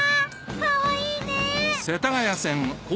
かわいいね。